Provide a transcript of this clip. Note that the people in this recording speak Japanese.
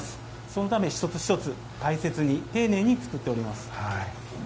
そのため、一つ一つ大切に、丁寧に作っております。